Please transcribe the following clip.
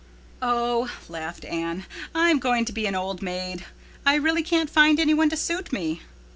"Oh," laughed Anne, "I am going to be an old maid. I really can't find any one to suit me."